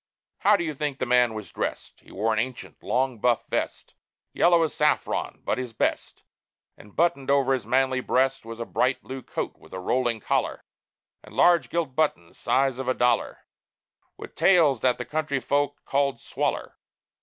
How do you think the man was dressed? He wore an ancient, long buff vest, Yellow as saffron, but his best; And, buttoned over his manly breast, Was a bright blue coat with a rolling collar, And large gilt buttons, size of a dollar, With tails that the country folk called "swaller."